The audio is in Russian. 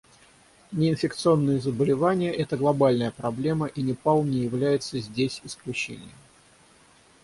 Неинфекционные заболевания — это глобальная проблема, и Непал не является здесь исключением.